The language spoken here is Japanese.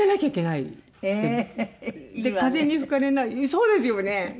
そうですよね。